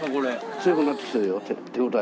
強くなってきてるよ手応え。